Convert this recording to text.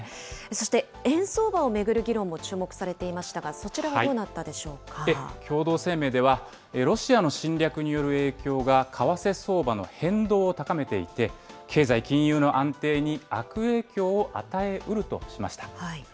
そして円相場を巡る議論も注目されていましたが、そちらはど共同声明では、ロシアの侵略による影響が為替相場の変動を高めていて、経済・金融の安定に悪影響を与えうるとしました。